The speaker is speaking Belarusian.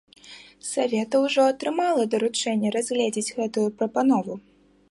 Савета ўжо атрымала даручэнне разгледзець гэтую прапанову.